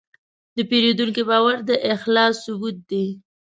د پیرودونکي باور د اخلاص ثبوت دی.